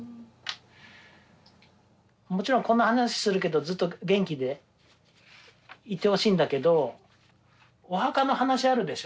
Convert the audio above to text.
もちろんこんな話するけどずっと元気でいてほしいんだけどお墓の話あるでしょ。